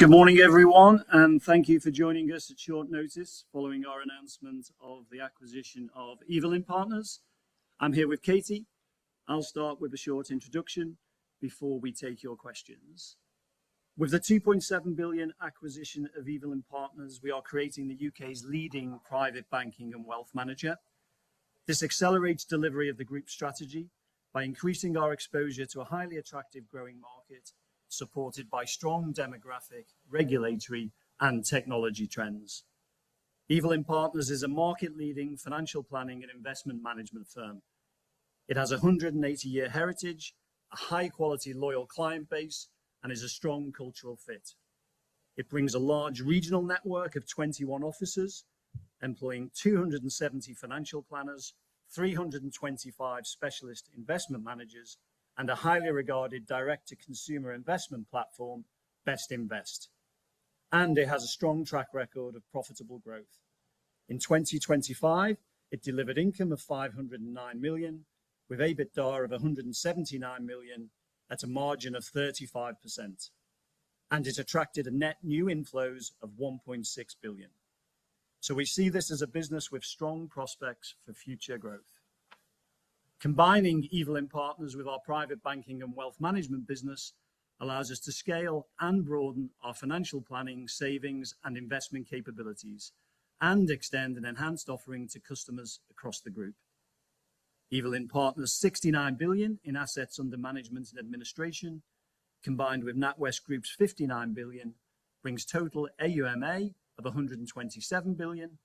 Good morning, everyone, and thank you for joining us at short notice following our announcement of the acquisition of Evelyn Partners. I'm here with Katie. I'll start with a short introduction before we take your questions. With the 2.7 billion acquisition of Evelyn Partners, we are creating the U.K.'s leading private banking and wealth manager. This accelerates delivery of the group's strategy by increasing our exposure to a highly attractive, growing market, supported by strong demographic, regulatory, and technology trends. Evelyn Partners is a market-leading financial planning and investment management firm. It has a 180-year heritage, a high-quality, loyal client base, and is a strong cultural fit. It brings a large regional network of 21 offices, employing 270 financial planners, 325 specialist investment managers, and a highly regarded direct-to-consumer investment platform, Bestinvest, and it has a strong track record of profitable growth. In 2025, it delivered income of 509 million, with EBITDA of 179 million at a margin of 35%, and it attracted net new inflows of 1.6 billion. So we see this as a business with strong prospects for future growth. Combining Evelyn Partners with our private banking and wealth management business allows us to scale and broaden our financial planning, savings, and investment capabilities and extend an enhanced offering to customers across the group. Evelyn Partners' 69 billion in assets under management and administration, combined with NatWest Group's 59 billion, brings total AUMA of 127 billion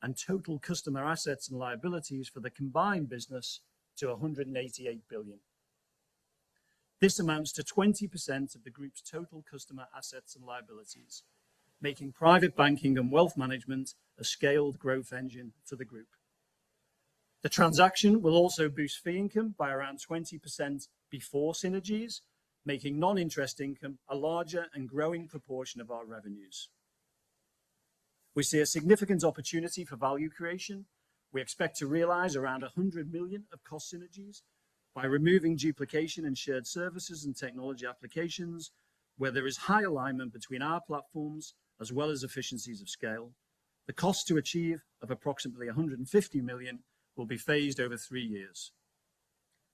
and total customer assets and liabilities for the combined business to 188 billion. This amounts to 20% of the group's total customer assets and liabilities, making private banking and wealth management a scaled growth engine to the group. The transaction will also boost fee income by around 20% before synergies, making non-interest income a larger and growing proportion of our revenues. We see a significant opportunity for value creation. We expect to realize around 100 million of cost synergies by removing duplication in shared services and technology applications, where there is high alignment between our platforms, as well as efficiencies of scale. The cost to achieve, of approximately 150 million, will be phased over three years.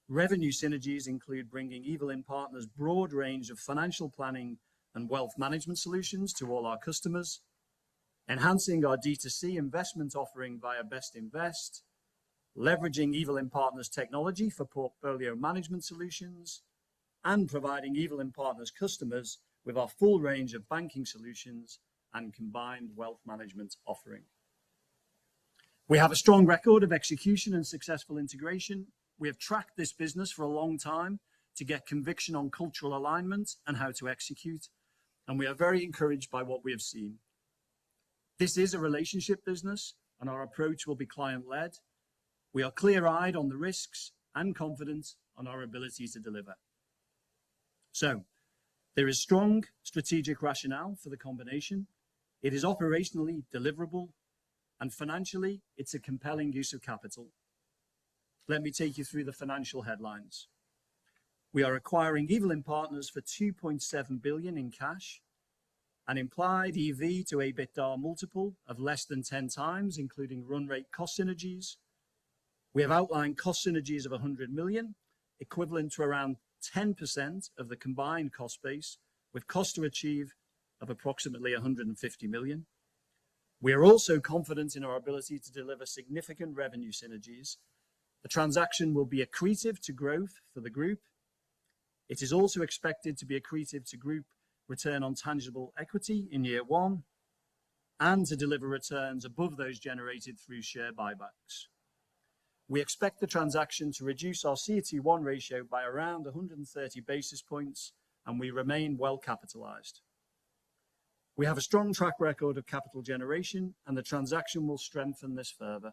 Revenue synergies include bringing Evelyn Partners' broad range of financial planning and wealth management solutions to all our customers, enhancing our D2C investment offering via Bestinvest, leveraging Evelyn Partners' technology for portfolio management solutions, and providing Evelyn Partners customers with our full range of banking solutions and combined wealth management offering. We have a strong record of execution and successful integration. We have tracked this business for a long time to get conviction on cultural alignment and how to execute, and we are very encouraged by what we have seen. This is a relationship business, and our approach will be client-led. We are clear-eyed on the risks and confident on our ability to deliver. So there is strong strategic rationale for the combination. It is operationally deliverable, and financially, it's a compelling use of capital. Let me take you through the financial headlines. We are acquiring Evelyn Partners for 2.7 billion in cash, an implied EV to EBITDA multiple of less than 10x, including run rate cost synergies. We have outlined cost synergies of 100 million, equivalent to around 10% of the combined cost base, with cost to achieve of approximately 150 million. We are also confident in our ability to deliver significant revenue synergies. The transaction will be accretive to growth for the group. It is also expected to be accretive to group return on tangible equity in year one, and to deliver returns above those generated through share buybacks. We expect the transaction to reduce our CET1 ratio by around 130 basis points, and we remain well capitalized. We have a strong track record of capital generation, and the transaction will strengthen this further.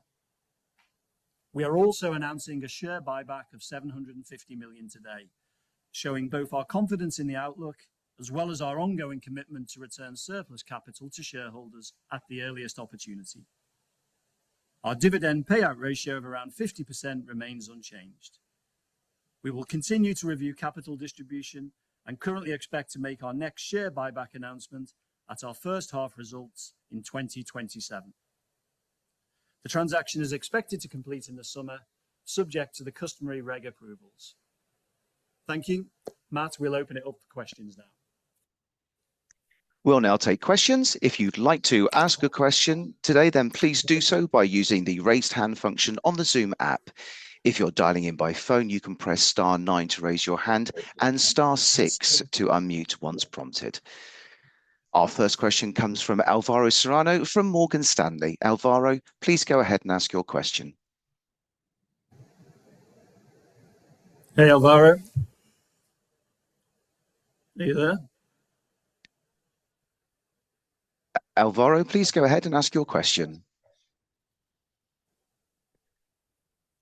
We are also announcing a share buyback of 750 million today, showing both our confidence in the outlook, as well as our ongoing commitment to return surplus capital to shareholders at the earliest opportunity. Our dividend payout ratio of around 50% remains unchanged. We will continue to review capital distribution and currently expect to make our next share buyback announcement at our first half results in 2027. The transaction is expected to complete in the summer, subject to the customary reg approvals. Thank you. Matt, we'll open it up for questions now. We'll now take questions. If you'd like to ask a question today, then please do so by using the Raise Hand function on the Zoom app. If you're dialing in by phone, you can press star nine to raise your hand and star six to unmute once prompted. Our first question comes from Alvaro Serrano from Morgan Stanley. Alvaro, please go ahead and ask your question. Hey, Alvaro. Are you there? Alvaro, please go ahead and ask your question.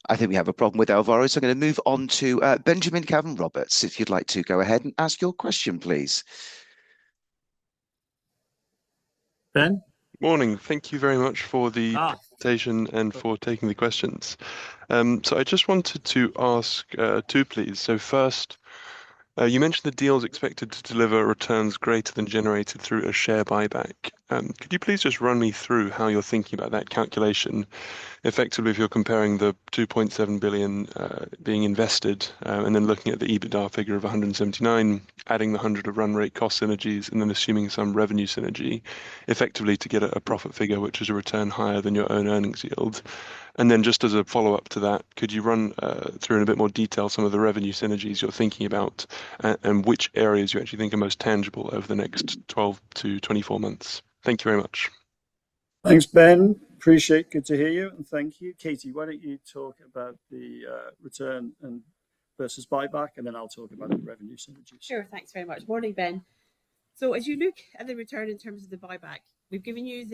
I think we have a problem with Alvaro, so I'm going to move on to Benjamin Caven-Roberts. If you'd like to go ahead and ask your question, please. Ben? Morning. Thank you very much for the- Ah. -presentation and for taking the questions. So I just wanted to ask two, please. So first, you mentioned the deal is expected to deliver returns greater than generated through a share buyback. Could you please just run me through how you're thinking about that calculation? Effectively, if you're comparing the 2.7 billion being invested, and then looking at the EBITDA figure of 179 million, adding the 100 million of run rate cost synergies, and then assuming some revenue synergy, effectively to get a profit figure which is a return higher than your own earnings yield. And then just as a follow-up to that, could you run through in a bit more detail some of the revenue synergies you're thinking about, and which areas you actually think are most tangible over the next 12-24 months? Thank you very much. Thanks, Ben. Appreciate. Good to hear you, and thank you. Katie, why don't you talk about the return and versus buyback, and then I'll talk about the revenue synergies. Sure. Thanks very much. Morning, Ben. So as you look at the return in terms of the buyback, we've given you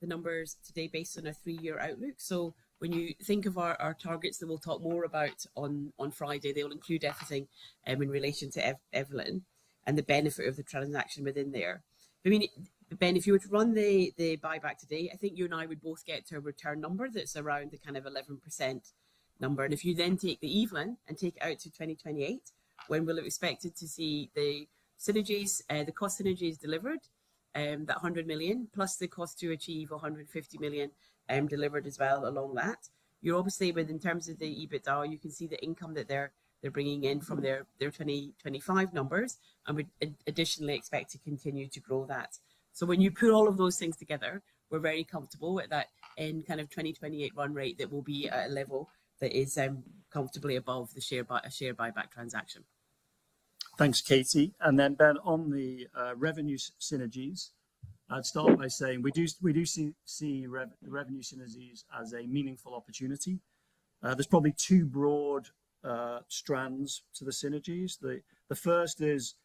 the numbers today based on a three-year outlook. So when you think of our targets that we'll talk more about on Friday, they will include everything in relation to Evelyn and the benefit of the transaction within there. I mean, Ben, if you were to run the buyback today, I think you and I would both get to a return number that's around the kind of 11% number. And if you then take the Evelyn and take it out to 2028, when will it be expected to see the synergies, the cost synergies delivered, that 100 million, plus the cost to achieve 150 million, delivered as well along that. You're obviously, within terms of the EBITDA, you can see the income that they're bringing in from their 2025 numbers, and we additionally expect to continue to grow that. So when you pull all of those things together, we're very comfortable with that in kind of 2028 run rate, that will be a level that is comfortably above the share buyback transaction. Thanks, Katie. Then, Ben, on the revenue synergies, I'd start by saying we do see revenue synergies as a meaningful opportunity. There's probably two broad strands to the synergies. The first is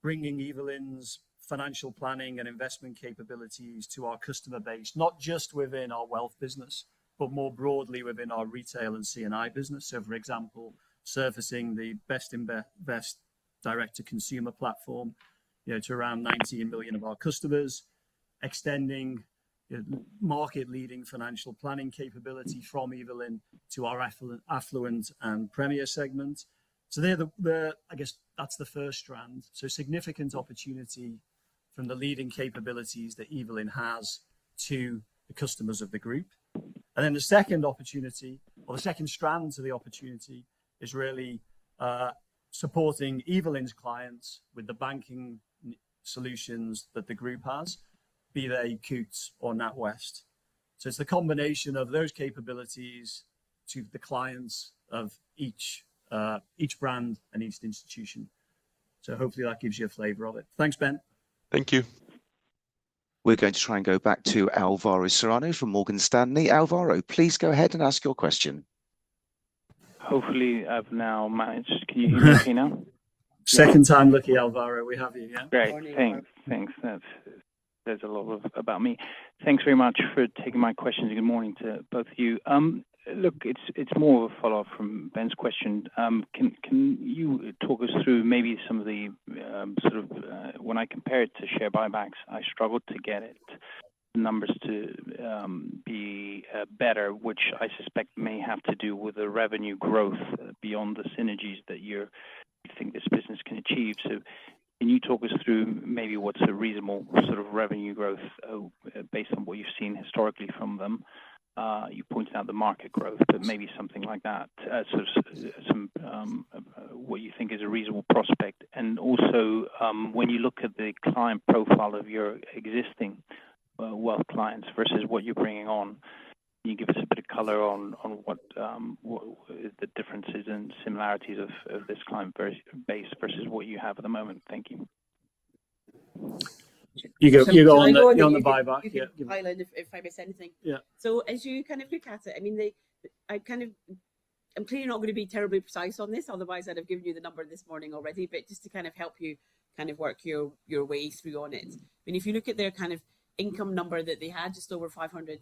bringing Evelyn's financial planning and investment capabilities to our customer base, not just within our wealth business, but more broadly within our retail and C&I business. So, for example, servicing the Bestinvest direct-to-consumer platform, you know, to around 19 billion of our customers, extending market-leading financial planning capability from Evelyn to our affluent and premier segment. So they're the... I guess that's the first strand. So significant opportunity from the leading capabilities that Evelyn has to the customers of the group. And then the second opportunity, or the second strand to the opportunity, is really supporting Evelyn's clients with the banking solutions that the group has, be they Coutts or NatWest. So it's the combination of those capabilities to the clients of each each brand and each institution. So hopefully that gives you a flavor of it. Thanks, Ben. Thank you. We're going to try and go back to Alvaro Serrano from Morgan Stanley. Alvaro, please go ahead and ask your question. Hopefully, I've now managed. Can you hear me now? Second time lucky, Alvaro, we have you, yeah? Great. Morning, Alvaro. Thanks. Thanks. That says a lot of about me. Thanks very much for taking my questions. Good morning to both of you. Look, it's more a follow-up from Ben's question. Can you talk us through maybe some of the sort of when I compare it to share buybacks, I struggle to get it numbers to be better, which I suspect may have to do with the revenue growth beyond the synergies that you're you think this business can achieve. So can you talk us through maybe what's a reasonable sort of revenue growth based on what you've seen historically from them? You pointed out the market growth, but maybe something like that, so some what you think is a reasonable prospect. Also, when you look at the client profile of your existing wealth clients versus what you're bringing on, can you give us a bit of color on what the differences and similarities of this client base versus what you have at the moment? Thank you. You go on the buyback. You can highlight if I miss anything. Yeah. So as you kind of look at it, I mean, I kind of, I'm clearly not going to be terribly precise on this, otherwise, I'd have given you the number this morning already. But just to kind of help you kind of work your way through on it. I mean, if you look at their kind of income number that they had, just over 500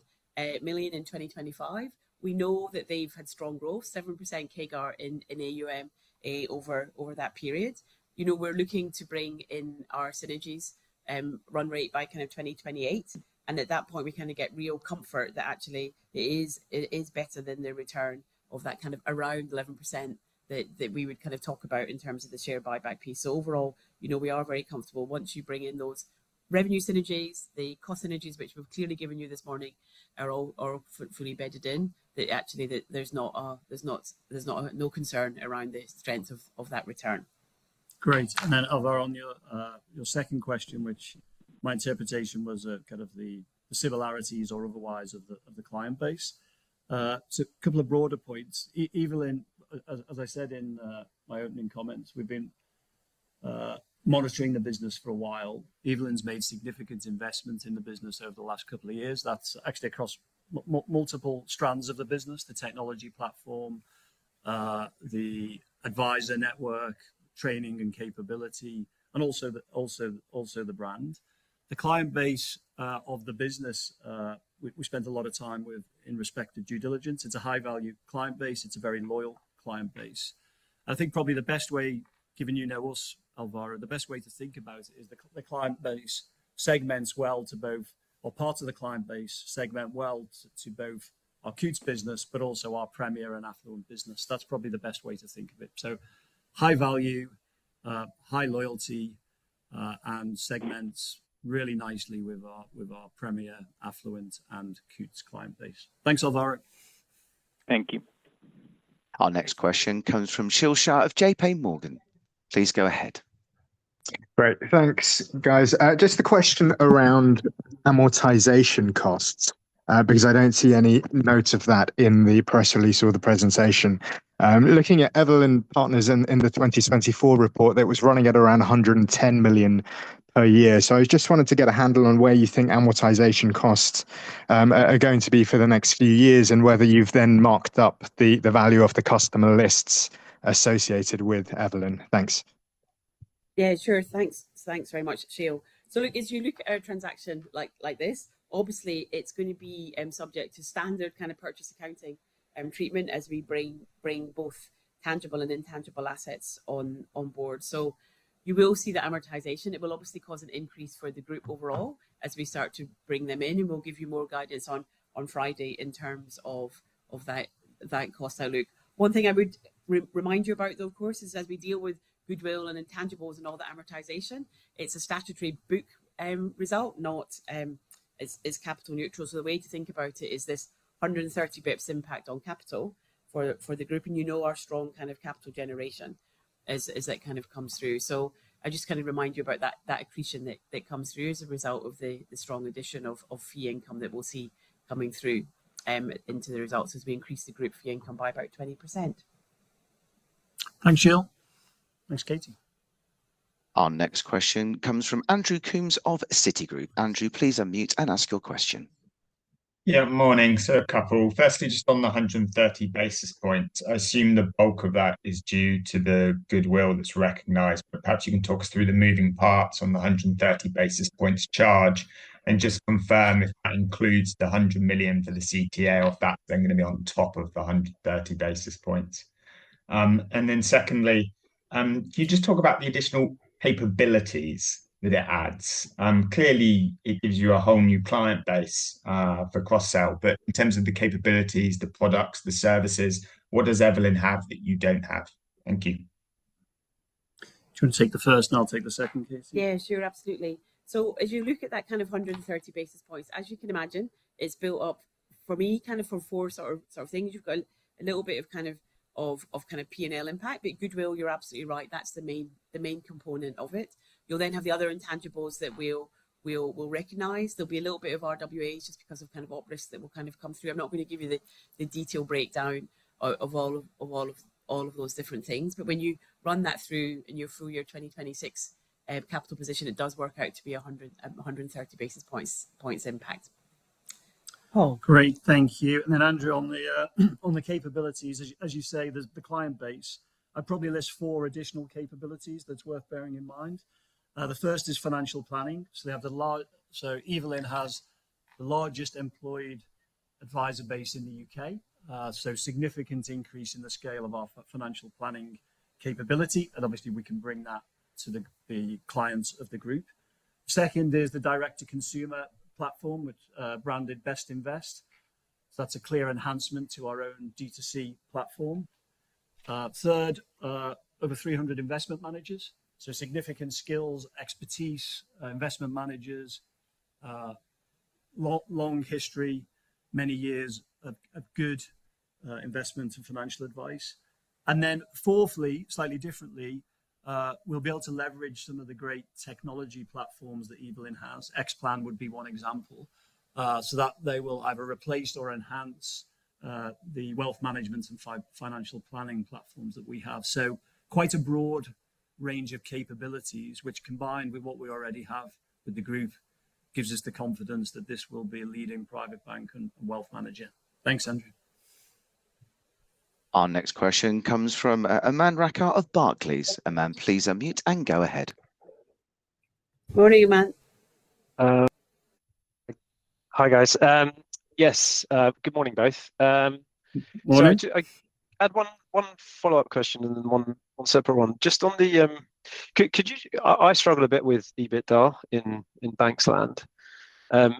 million in 2025, we know that they've had strong growth, 7% CAGR in AUM over that period. You know, we're looking to bring in our synergies run rate by kind of 2028, and at that point, we kind of get real comfort that actually it is better than the return of that kind of around 11% that we would kind of talk about in terms of the share buyback piece. So overall, you know, we are very comfortable. Once you bring in those revenue synergies, the cost synergies, which we've clearly given you this morning, are all fully bedded in. That actually, there's not no concern around the strength of that return. Great. And then, Alvaro, on your second question, which my interpretation was kind of the similarities or otherwise of the client base. So a couple of broader points. Evelyn, as I said in my opening comments, we've been monitoring the business for a while. Evelyn's made significant investments in the business over the last couple of years. That's actually across multiple strands of the business, the technology platform, the advisor network, training and capability, and also the brand. The client base of the business, we spent a lot of time with in respect to due diligence. It's a high-value client base. It's a very loyal client base. I think probably the best way, given you know us, Alvaro, the best way to think about it is the client base segments well to both, or parts of the client base segment well to, to both our Coutts business, but also our premier and affluent business. That's probably the best way to think of it. So high value, high loyalty, and segments really nicely with our, with our premier, affluent, and Coutts client base. Thanks, Alvaro. Thank you. Our next question comes from Sheel Shah of JPMorgan. Please go ahead. Great. Thanks, guys. Just a question around amortization costs, because I don't see any note of that in the press release or the presentation. Looking at Evelyn Partners in the 2014 report, that was running at around 110 million per year. So I just wanted to get a handle on where you think amortization costs are going to be for the next few years, and whether you've then marked up the value of the customer lists associated with Evelyn. Thanks. Yeah, sure. Thanks. Thanks very much, Sheel. So as you look at a transaction like this, obviously it's gonna be subject to standard kind of purchase accounting and treatment as we bring both tangible and intangible assets on board. So you will see the amortization. It will obviously cause an increase for the group overall as we start to bring them in, and we'll give you more guidance on Friday in terms of that cost outlook. One thing I would remind you about, though, of course, is as we deal with goodwill and intangibles and all the amortization, it's a statutory book result, not... it's capital neutral. So the way to think about it is this 130 basis points impact on capital for the group, and you know our strong kind of capital generation as that kind of comes through. So I just kind of remind you about that, that accretion that comes through as a result of the strong addition of fee income that we'll see coming through into the results as we increase the group fee income by about 20%. Thanks, Sheel. Thanks, Katie. Our next question comes from Andrew Coombs of Citigroup. Andrew, please unmute and ask your question. Yeah, morning. So a couple. Firstly, just on the 130 basis points, I assume the bulk of that is due to the goodwill that's recognized, but perhaps you can talk us through the moving parts on the 130 basis points charge and just confirm if that includes the GBP 100 million for the CTA, or if that's then gonna be on top of the 130 basis points. And then secondly, can you just talk about the additional capabilities that it adds? Clearly, it gives you a whole new client base, for cross-sell, but in terms of the capabilities, the products, the services, what does Evelyn have that you don't have? Thank you. Do you want to take the first and I'll take the second, Katie? Yeah, sure. Absolutely. So as you look at that kind of 130 basis points, as you can imagine, it's built up for me kind of from four sort of things. You've got a little bit of kind of P&L impact, but goodwill, you're absolutely right, that's the main component of it. You'll then have the other intangibles that we'll recognize. There'll be a little bit of RWA just because of kind of op risk that will kind of come through. I'm not gonna give you the detailed breakdown of all of those different things. But when you run that through in your full year 2026 capital position, it does work out to be 130 basis points impact. Oh, great. Thank you. And then, Andrew, on the capabilities, as you say, the client base, I'd probably list four additional capabilities that's worth bearing in mind. The first is financial planning. So Evelyn has the largest employed advisor base in the U.K., so significant increase in the scale of our financial planning capability, and obviously, we can bring that to the clients of the group. Second is the direct-to-consumer platform, which branded Bestinvest. So that's a clear enhancement to our own D2C platform. Third, over 300 investment managers, so significant skills, expertise, investment managers, long history, many years of good investment and financial advice. And then fourthly, slightly differently, we'll be able to leverage some of the great technology platforms that Evelyn has. Xplan would be one example, so that they will either replace or enhance the wealth management and financial planning platforms that we have. So quite a broad range of capabilities, which combined with what we already have with the group, gives us the confidence that this will be a leading private bank and wealth manager. Thanks, Andrew. Our next question comes from, Aman Rakkar of Barclays. Aman, please unmute and go ahead. Morning, Aman. Hi, guys. Yes, good morning, both. Morning. So I had one follow-up question and then one separate one. Just on the, I struggle a bit with EBITDA in banks land.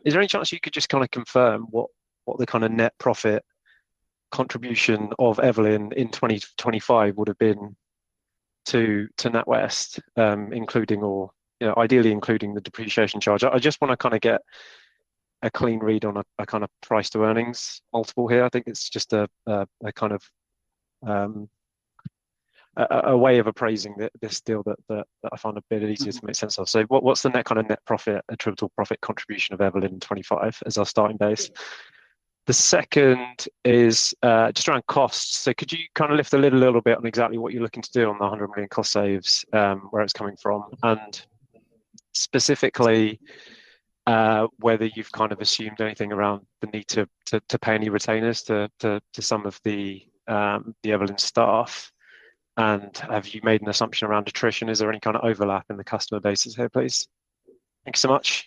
Is there any chance you could just kinda confirm what the kinda net profit contribution of Evelyn in 2025 would have been to NatWest, including or, you know, ideally including the depreciation charge? I just wanna kinda get a clean read on a kinda price to earnings multiple here. I think it's just a kind of way of appraising this deal that I find a bit easier to make sense of. So what's the net kinda net profit attributable profit contribution of Evelyn 2025 as our starting base? The second is just around costs. So could you kinda lift the lid a little bit on exactly what you're looking to do on the 100 million cost saves, where it's coming from, and specifically, whether you've kind of assumed anything around the need to pay any retainers to some of the Evelyn staff. And have you made an assumption around attrition? Is there any kind of overlap in the customer bases here, please? Thank you so much.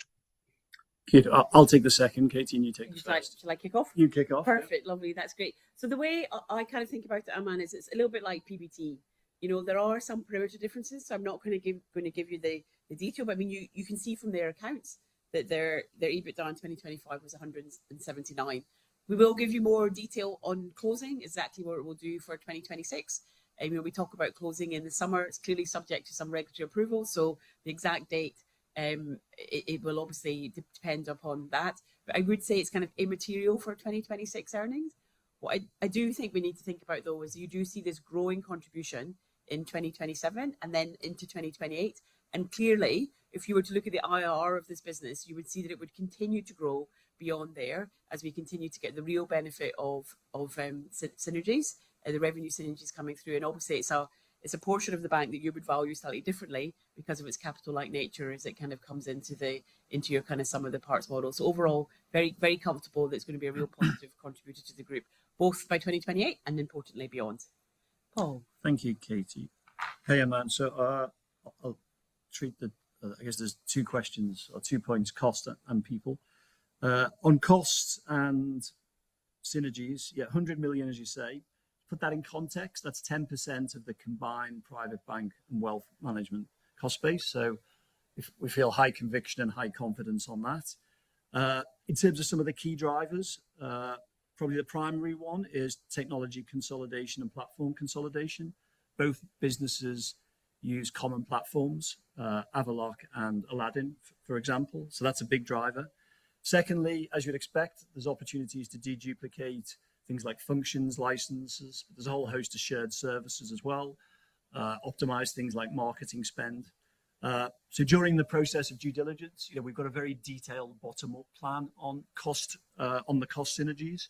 Okay. I'll take the second, Katie, and you take the first. Should I kick off? You kick off. Perfect. Lovely. That's great. So the way I kind of think about it, Aman, is it's a little bit like PBT. You know, there are some parameter differences, so I'm not gonna give you the detail. But I mean, you can see from their accounts that their EBITDA in 2025 was 179. We will give you more detail on closing, exactly what it will do for 2026. I mean, we talk about closing in the summer. It's clearly subject to some regulatory approval, so the exact date, it will obviously depend upon that. But I would say it's kind of immaterial for 2026 earnings. What I do think we need to think about, though, is you do see this growing contribution in 2027 and then into 2028, and clearly, if you were to look at the IRR of this business, you would see that it would continue to grow beyond there as we continue to get the real benefit of synergies, the revenue synergies coming through. And obviously, it's a portion of the bank that you would value slightly differently because of its capital-like nature, as it kind of comes into your kind of sum of the parts models. So overall, very, very comfortable that it's gonna be a real positive contributor to the group, both by 2028 and importantly beyond. Paul? Thank you, Katie. Hey, Aman. So, I'll treat the... I guess there's two questions or two points: cost and people. On costs and synergies, yeah, 100 million, as you say. To put that in context, that's 10% of the combined private bank and wealth management cost base, so we feel high conviction and high confidence on that. In terms of some of the key drivers, probably the primary one is technology consolidation and platform consolidation. Both businesses use common platforms, Avaloq and Aladdin, for example, so that's a big driver. Secondly, as you'd expect, there's opportunities to deduplicate things like functions, licenses. There's a whole host of shared services as well, optimize things like marketing spend. So during the process of due diligence, you know, we've got a very detailed bottom-up plan on cost, on the cost synergies.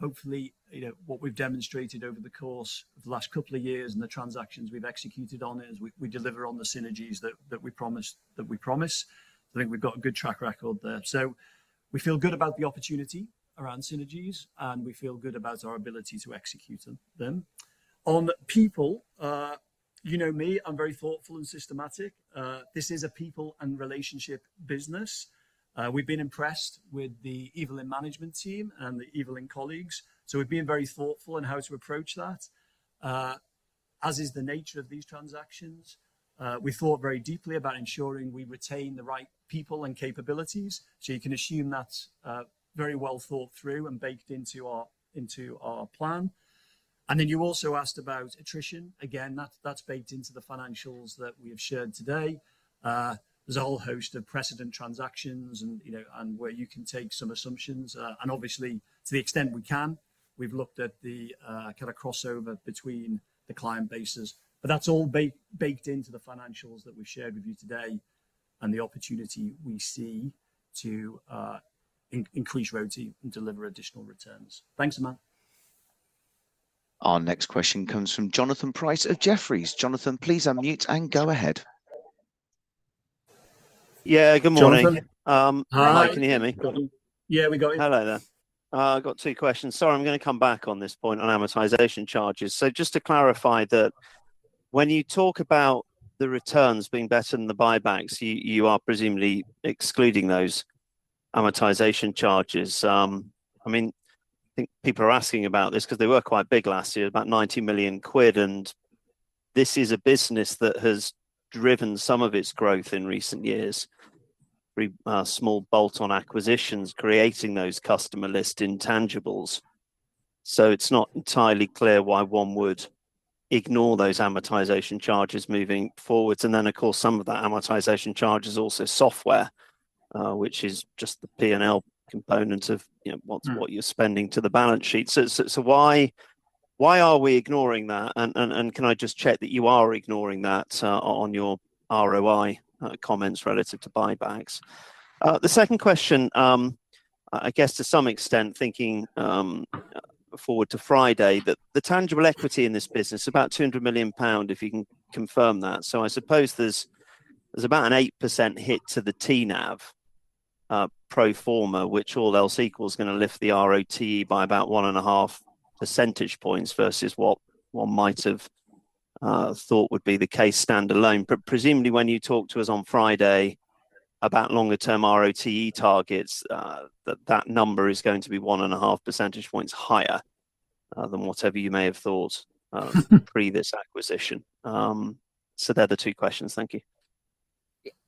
Hopefully, you know, what we've demonstrated over the course of the last couple of years and the transactions we've executed on is we deliver on the synergies that we promise. I think we've got a good track record there. So we feel good about the opportunity around synergies, and we feel good about our ability to execute them. On people, you know me, I'm very thoughtful and systematic. This is a people and relationship business. We've been impressed with the Evelyn management team and the Evelyn colleagues, so we've been very thoughtful in how to approach that. As is the nature of these transactions, we thought very deeply about ensuring we retain the right people and capabilities, so you can assume that's very well thought through and baked into our, into our plan. And then you also asked about attrition. Again, that's baked into the financials that we have shared today. There's a whole host of precedent transactions and, you know, and where you can take some assumptions. And obviously, to the extent we can, we've looked at the kind of crossover between the client bases. But that's all baked into the financials that we've shared with you today and the opportunity we see to increase ROTE and deliver additional returns. Thanks, Aman. Our next question comes from Jonathan Pierce of Jefferies. Jonathan, please unmute and go ahead. Yeah, good morning. Jonathan. Hi, can you hear me? Yeah, we got you. Hello there. I've got two questions. Sorry, I'm gonna come back on this point on amortization charges. So just to clarify that when you talk about the returns being better than the buybacks, you, you are presumably excluding those amortization charges. I mean, I think people are asking about this 'cause they were quite big last year, about 90 million quid, and this is a business that has driven some of its growth in recent years, small bolt-on acquisitions, creating those customer list intangibles. So it's not entirely clear why one would ignore those amortization charges moving forwards. And then, of course, some of that amortization charge is also software, which is just the P&L component of, you know, what's what you're spending to the balance sheet. So why are we ignoring that? And can I just check that you are ignoring that on your ROI comments relative to buybacks? The second question, I guess to some extent, thinking forward to Friday, that the tangible equity in this business, about 200 million pound, if you can confirm that. So I suppose there's about an 8% hit to the TNAV, pro forma, which all else equal, is gonna lift the ROTE by about 1.5 percentage points versus what one might have thought would be the case standalone. But presumably, when you talk to us on Friday about longer-term ROTE targets, that number is going to be 1.5 percentage points higher than whatever you may have thought pre this acquisition. So they're the two questions. Thank you.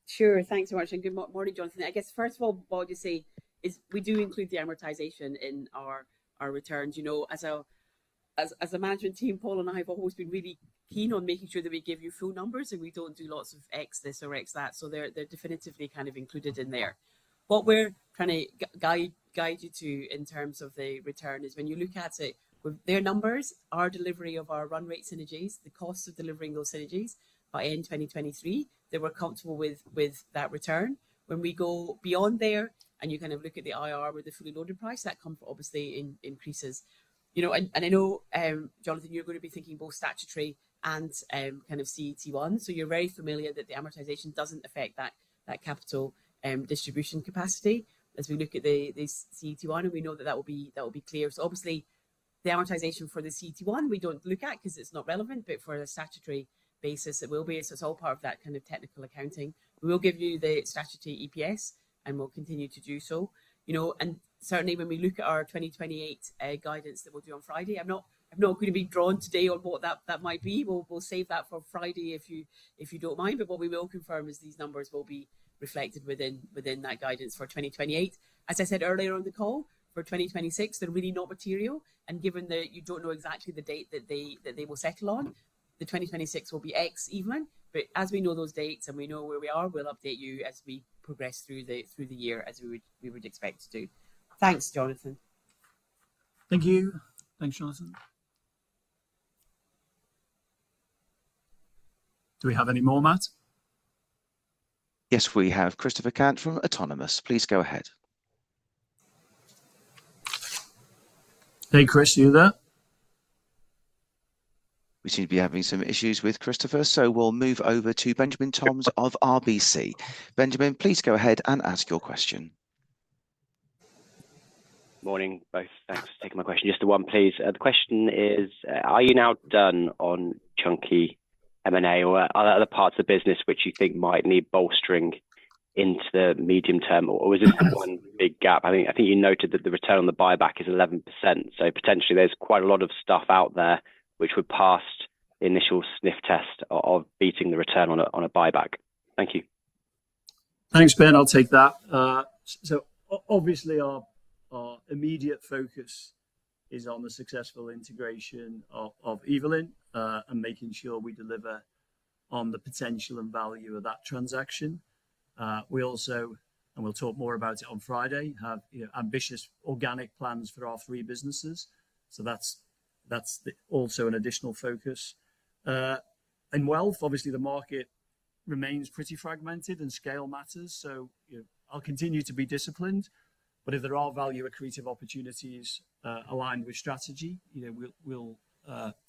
Sure. Thanks so much, and good morning, Jonathan. I guess, first of all, what you say is we do include the amortization in our returns. You know, as a management team, Paul and I have always been really keen on making sure that we give you full numbers, and we don't do lots of X this or X that, so they're definitively kind of included in there. What we're trying to guide you to in terms of the return is when you look at it, with their numbers, our delivery of our run rate synergies, the cost of delivering those synergies, by end of 2023, they were comfortable with that return. When we go beyond there, and you kind of look at the IRR with the fully loaded price, that comfort obviously increases. You know, and I know, Jonathan, you're gonna be thinking both statutory and kind of CET1, so you're very familiar that the amortization doesn't affect that capital distribution capacity. As we look at the CET1, and we know that will be clear. So obviously the amortization for the CET1, we don't look at 'cause it's not relevant, but for the statutory basis, it will be. So it's all part of that kind of technical accounting. We will give you the statutory EPS, and we'll continue to do so. You know, and certainly when we look at our 2028 guidance that we'll do on Friday, I'm not gonna be drawn today on what that might be. We'll save that for Friday, if you don't mind. But what we will confirm is these numbers will be reflected within that guidance for 2028. As I said earlier on the call, for 2026, they're really not material, and given that you don't know exactly the date that they will settle on, the 2026 will be ex Evelyn. But as we know those dates and we know where we are, we'll update you as we progress through the year as we would expect to do. Thanks, Jonathan. Thank you. Thanks, Jonathan. Do we have any more, Matt? Yes, we have Christopher Cant from Autonomous. Please go ahead. Hey, Chris, you there? We seem to be having some issues with Christopher, so we'll move over to Benjamin Toms of RBC. Benjamin, please go ahead and ask your question. Morning, both. Thanks for taking my question. Just the one, please. The question is, are you now done on chunky M&A, or are there other parts of the business which you think might need bolstering into the medium term, or is this one big gap? I think, I think you noted that the return on the buyback is 11%, so potentially there's quite a lot of stuff out there which would pass the initial sniff test of beating the return on a, on a buyback. Thank you. Thanks, Ben. I'll take that. So obviously, our immediate focus is on the successful integration of Evelyn and making sure we deliver on the potential and value of that transaction. We also, and we'll talk more about it on Friday, have you know ambitious organic plans for our three businesses, so that's also an additional focus. In Wealth, obviously, the market remains pretty fragmented and scale matters, so you know, I'll continue to be disciplined, but if there are value accretive opportunities aligned with strategy, you know, we'll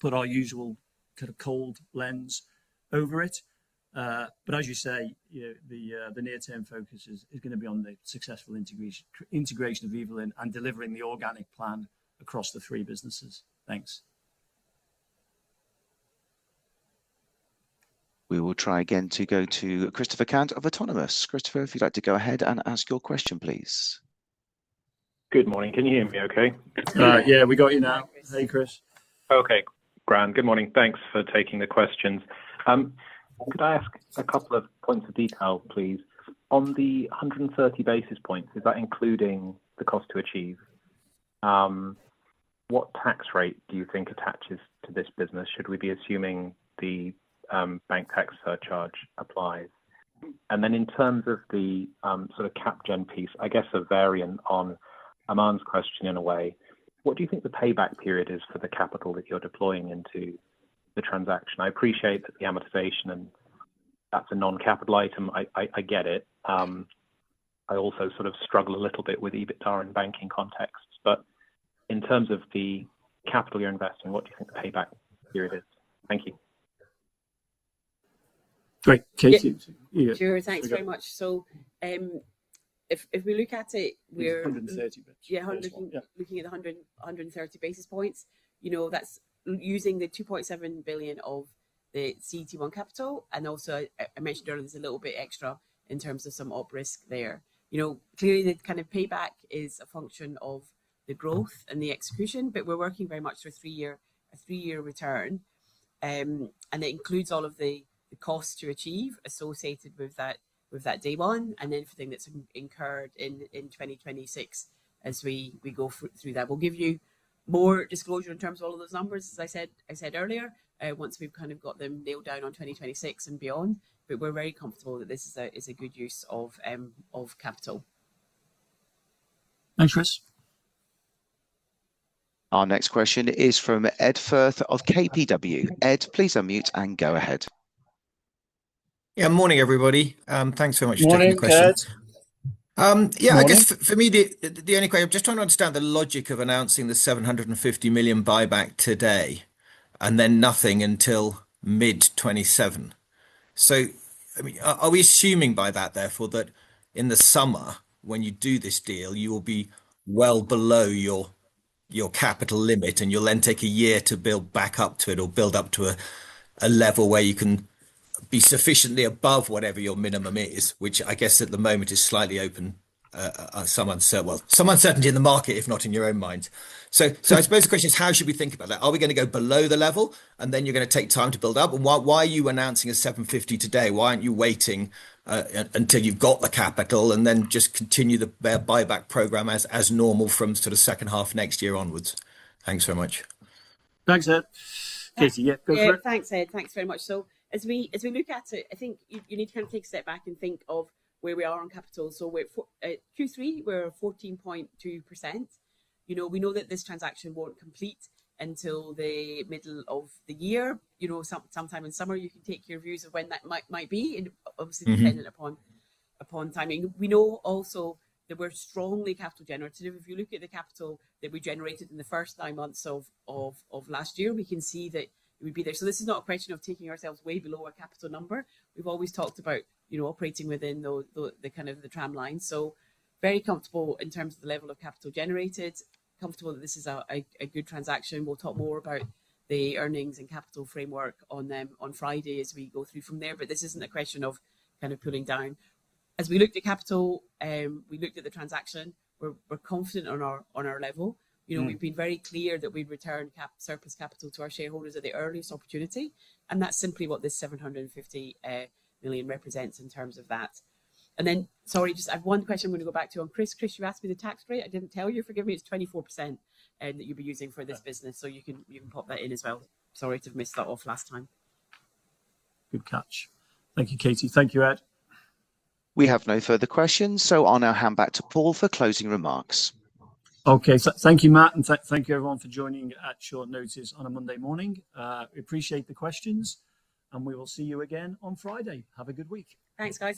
put our usual kind of cold lens over it. But as you say, you know, the near-term focus is gonna be on the successful integration of Evelyn and delivering the organic plan across the three businesses. Thanks. We will try again to go to Christopher Cant of Autonomous. Christopher, if you'd like to go ahead and ask your question, please. Good morning. Can you hear me okay? Yeah, we got you now. Yeah. Hey, Chris. Okay, grand. Good morning. Thanks for taking the questions. Could I ask a couple of points of detail, please? On the 130 basis points, is that including the cost to achieve? What tax rate do you think attaches to this business? Should we be assuming the bank tax surcharge applies? And then in terms of the sort of Cap Gen piece, I guess a variant on Aman's question in a way, what do you think the payback period is for the capital that you're deploying into the transaction? I appreciate that the amortization and that's a non-capital item. I get it. I also sort of struggle a little bit with EBITDA in banking contexts, but in terms of the capital you're investing, what do you think the payback period is? Thank you. Great, Katie? Yeah. Yeah. Sure, thanks very much. So, if we look at it, we're- 130, Yeah, hundred- Yeah. Looking at the 130 basis points, you know, that's using the 2.7 billion of the CET1 capital, and also I mentioned earlier, there's a little bit extra in terms of some op risk there. You know, clearly, the kind of payback is a function of the growth and the execution, but we're working very much for a three-year return. And it includes all of the costs to achieve associated with that day one, and anything that's incurred in 2026 as we go through that. We'll give you more disclosure in terms of all of those numbers, as I said, I said earlier, once we've kind of got them nailed down on 2026 and beyond, but we're very comfortable that this is a, this is a good use of, of capital. Thanks, Chris. Our next question is from Ed Firth of KBW. Ed, please unmute and go ahead. Yeah, morning, everybody. Thanks so much for taking the questions. Morning, Ed. Um, yeah- Morning. I guess for me, the only question... I'm just trying to understand the logic of announcing the 750 million buyback today and then nothing until mid-2027. So, I mean, are we assuming by that, therefore, that in the summer, when you do this deal, you will be well below your capital limit, and you'll then take a year to build back up to it or build up to a level where you can be sufficiently above whatever your minimum is, which I guess at the moment is slightly open, some uncertainty in the market, if not in your own minds. So I suppose the question is: How should we think about that? Are we gonna go below the level, and then you're gonna take time to build up? Why are you announcing a 750 today? Why aren't you waiting until you've got the capital and then just continue the buyback program as normal from sort of second half next year onwards? Thanks so much. Thanks, Ed. Katie, yeah, go for it. Yeah. Thanks, Ed. Thanks very much. So as we look at it, I think you need to kind of take a step back and think of where we are on capital. So we're at Q3, we're at 14.2%. You know, we know that this transaction won't complete until the middle of the year. You know, sometime in summer, you can take your views of when that might be, and obviously dependent upon timing. We know also that we're strongly capital generative. If you look at the capital that we generated in the first nine months of last year, we can see that we'd be there. So this is not a question of taking ourselves way below our capital number. We've always talked about, you know, operating within the kind of the tramline. So very comfortable in terms of the level of capital generated, comfortable that this is a good transaction. We'll talk more about the earnings and capital framework on Friday as we go through from there, but this isn't a question of kind of pulling down. As we looked at capital, we looked at the transaction, we're confident on our level. You know, we've been very clear that we'd return surplus capital to our shareholders at the earliest opportunity, and that's simply what this 750 million represents in terms of that. Sorry, just I have one question I'm gonna go back to on Chris. Chris, you asked me the tax rate. I didn't tell you. Forgive me, it's 24% that you'll be using for this business, so you can pop that in as well. Sorry to have missed that off last time. Good catch. Thank you, Katie. Thank you, Ed. We have no further questions, so I'll now hand back to Paul for closing remarks. Okay. Thank you, Matt, and thank you everyone for joining at short notice on a Monday morning. We appreciate the questions, and we will see you again on Friday. Have a good week. Thanks, guys.